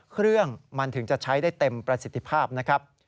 เครื่องมันถึงจะใช้ได้เต็มประสิทธิภาพนะครับ